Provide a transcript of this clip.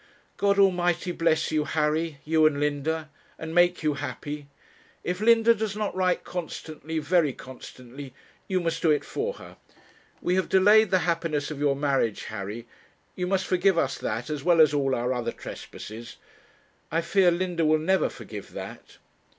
'God Almighty bless you, Harry, you and Linda and make you happy. If Linda does not write constantly very constantly, you must do it for her. We have delayed the happiness of your marriage, Harry you must forgive us that, as well as all our other trespasses. I fear Linda will never forgive that.'